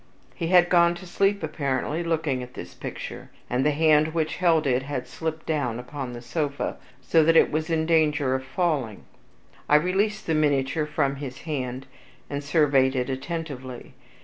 He had gone to sleep apparently looking at this picture; and the hand which held it had slipped down upon the sofa, so that it was in danger of falling. I released the miniature from his hand, and surveyed it attentively.